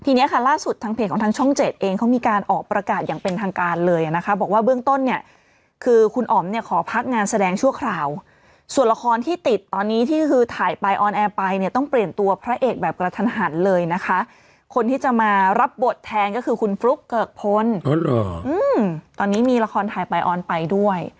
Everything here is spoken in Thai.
ทีนี้ค่ะล่าสุดทางเพจของทางช่องเจ็ดเองเขามีการออกประกาศอย่างเป็นทางการเลยนะคะบอกว่าเบื้องต้นเนี่ยคือคุณอ๋อมเนี่ยขอพักงานแสดงชั่วคราวส่วนละครที่ติดตอนนี้ที่คือถ่ายไปออนแอร์ไปเนี่ยต้องเปลี่ยนตัวพระเอกแบบกระทันหันเลยนะคะคนที่จะมารับบทแทนก็คือคุณฟลุ๊กเกิกพลตอนนี้มีละครถ่ายไปออนไปด้วย